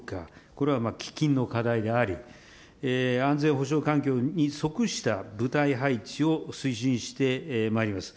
これは喫緊の課題であり、安全保障環境に即した部隊配置を推進してまいります。